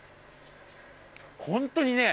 本当にね